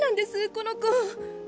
この子。